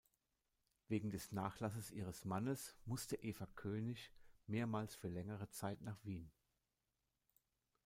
Wegen des Nachlasses ihres Mannes musste Eva König mehrmals für längere Zeit nach Wien.